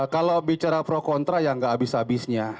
kalau bicara pro kontra ya nggak habis habisnya